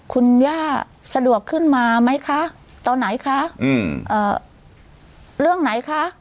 คุณย่าสะดวกขึ้นมาไหมคะตอนไหนคะอืมเอ่อเรื่องไหนคะ